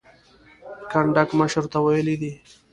کنډک مشر ته ویلي دي.